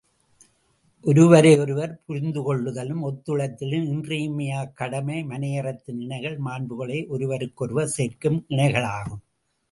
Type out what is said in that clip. ஒருவரை ஒருவர் புரிந்துகொள்ளுதலும், ஒத்துழைத்தலும் இன்றியமையாக் கடமை மனையறத்தின் இணைகள், மாண்புகளை ஒருவருக்கொருவர் சேர்க்கும் இணைகளாகும்.